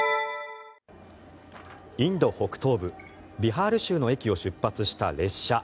インド北東部ビハール州の駅を出発した列車。